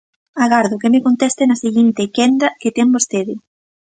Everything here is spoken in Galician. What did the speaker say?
Agardo que me conteste na seguinte quenda que ten vostede.